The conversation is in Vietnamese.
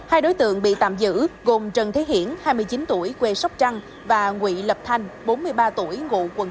hai đối tượng bị tạm giữ gồm trần thế hiển hai mươi chín tuổi quê sóc trăng và nguyễn lập thanh bốn mươi ba tuổi ngụ quận tám